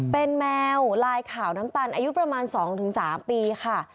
เป็นแมวลายขาวน้ำตาลอายุประมาณ๒๓ปีค่ะ